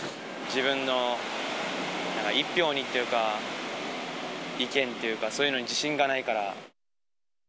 自分の１票にというか、意見というか、そういうのに自信がないから。